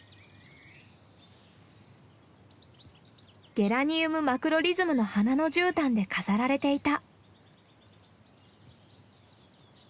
ゲラニウム・マクロリズムの花のじゅうたんで飾られていた。